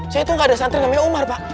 saya itu nggak ada pesantren namanya umar pak